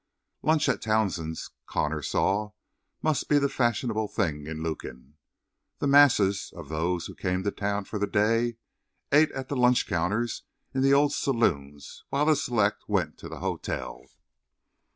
Lunch at Townsend's, Connor saw, must be the fashionable thing in Lukin. The "masses" of those who came to town for the day ate at the lunch counters in the old saloons while the select went to the hotel.